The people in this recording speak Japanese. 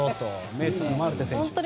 メッツのマルテ選手。